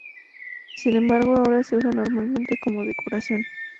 Sin embargo, ahora se usa normalmente como decoración.